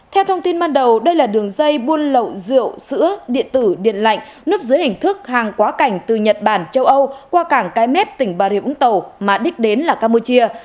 theo thông tin ban đầu đây là đường dây buôn lậu rượu sữa điện tử điện lạnh núp dưới hình thức hàng quá cảnh từ nhật bản châu âu qua cảng cái mép tỉnh bà rịa úng tàu mà đích đến là campuchia